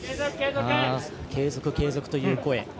継続、継続という声。